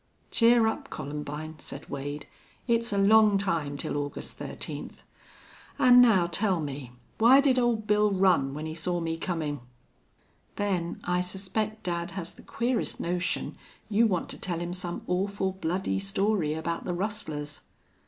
"Cheer up, Columbine," said Wade. "It's a long time till August thirteenth.... An' now tell me, why did Old Bill run when he saw me comin'?" "Ben, I suspect dad has the queerest notion you want to tell him some awful bloody story about the rustlers."